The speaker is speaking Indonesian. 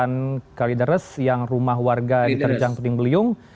kawasan kalideres yang rumah warga di terjang puting biliung